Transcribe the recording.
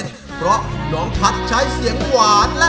โดยการแข่งขาวของทีมเด็กเสียงดีจำนวนสองทีม